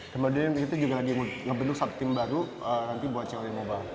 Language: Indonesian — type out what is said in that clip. kemudian kita juga lagi ngebentuk satu tim baru nanti buat c oni mobile